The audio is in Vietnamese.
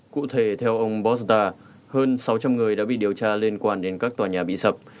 cụ thể theo ông bosta hơn sáu trăm linh người đã bị điều tra liên quan đến các tòa nhà bị sập